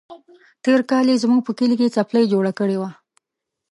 تېر کال يې زموږ په کلي کې څپلۍ جوړه کړې وه.